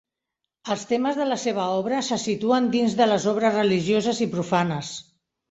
Els temes de la seva obra se situen dins de les obres religioses i profanes.